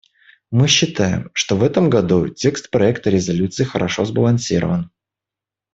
Мы считаем, что в этом году текст проекта резолюции хорошо сбалансирован.